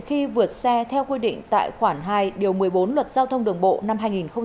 khi vượt xe theo quy định tại khoảng hai một mươi bốn luật giao thông đường bộ năm hai nghìn tám